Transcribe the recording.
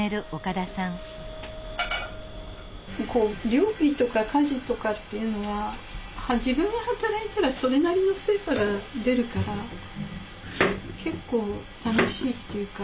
料理とか家事とかっていうのは自分が働いたらそれなりの成果が出るから結構楽しいっていうか。